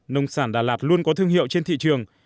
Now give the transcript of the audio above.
nông sản đà lạt luôn có thương hiệu trên thị trường